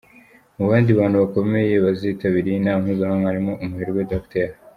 Mu bandi bantu bakomeye bazitabira iyi nama mpuzamahanga harimo umuherwe Dr.